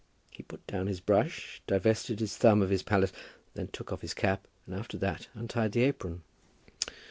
He put down his brush, divested his thumb of his palette, then took off his cap, and after that untied the apron.